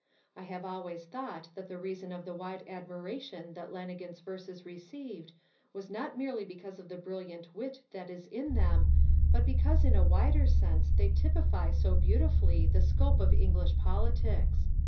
I have always thought that the reason of the wide admiration that Lannigan's verses received was not merely because of the brilliant wit that is in them but because in a wider sense they typify so beautifully the scope of English politics.